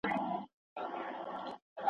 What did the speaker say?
نور یې هیري کړې نارې د ګوروانانو ,